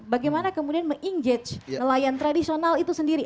bagaimana kemudian meng engage nelayan tradisional itu sendiri